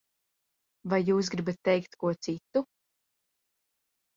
Vai jūs gribat teikt ko citu?